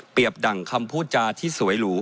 เปรียบดั่งคำพูดจาที่สวยหรู